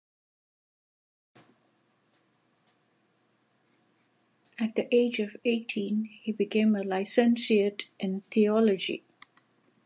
At the age of eighteen, he became a licentiate in theology.